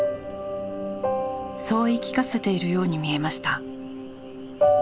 そう言い聞かせているように見えました。